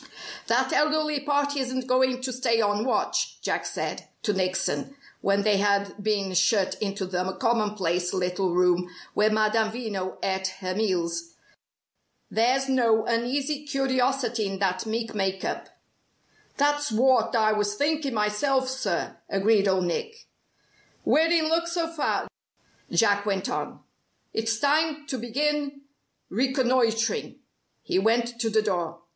"That elderly party isn't going to stay on watch," Jack said to Nickson, when they had been shut into the commonplace little room where Madame Veno ate her meals. "There's no uneasy curiosity in that meek make up." "That's wot I was thinkin' myself, sir," agreed Old Nick. "We're in luck so far," Jack went on. "It's time to begin reconnoitring." He went to the door.